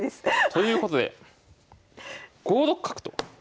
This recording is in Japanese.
ということで５六角と。